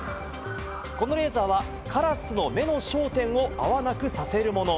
このレーザーはカラスの目の焦点を合わなくさせるもの。